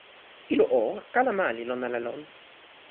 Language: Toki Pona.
ilo o, kala ma li lon ala lon?